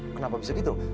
kenapa bisa gitu